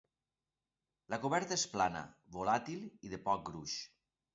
La coberta és plana, volàtil i de poc gruix.